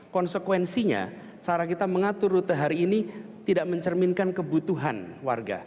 konsekuensinya cara kita mengatur rute hari ini tidak mencerminkan kebutuhan warga